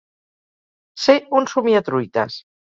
Ser un somiatruites.